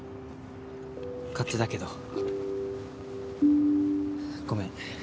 勝手だけどごめん。